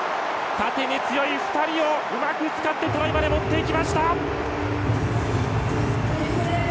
縦に強い２人をうまく使ってトライまで持っていきました！